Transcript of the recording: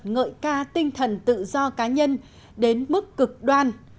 ngợi ca tinh thần tự do cá nhân đến mức cực đoan